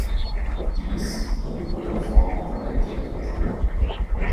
Dies tut man in Form von IP-Adressen.